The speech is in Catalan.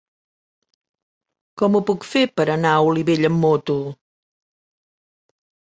Com ho puc fer per anar a Olivella amb moto?